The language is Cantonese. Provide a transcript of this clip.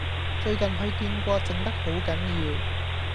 最近去過見靜得好緊要